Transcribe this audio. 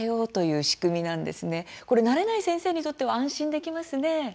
慣れない先生にとっては安心できますね。